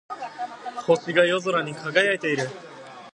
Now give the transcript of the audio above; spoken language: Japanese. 星が夜空に輝いている。